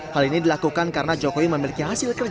hal ini dilakukan karena jokowi memiliki hasil kerja